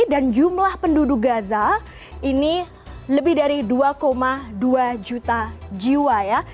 dan jumlah penduduk gaza ini lebih dari dua dua juta jiwa ya